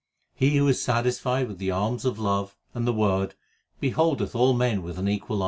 He who is satisfied with the alms of love and the Word beholdeth all men with an equal eye.